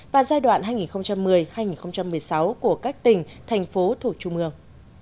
và giai đoạn hai nghìn một mươi hai nghìn một mươi sáu của các tỉnh thành phố thuộc trung ương